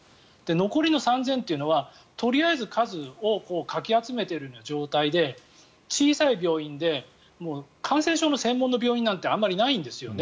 残りの３０００というのはとりあえず数をかき集めているような状態で小さい病院で感染症の専門の病院なんてあまりないんですよね。